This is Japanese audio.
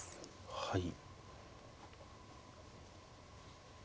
はい。